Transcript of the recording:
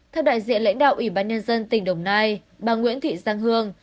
theo đại diện lãnh đạo ủy ban nhân dân tỉnh đồng nai bà nguyễn thị giang hương